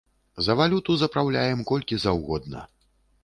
За валюту запраўляем колькі заўгодна.